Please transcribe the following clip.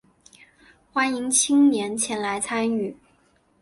欢迎青年前来参与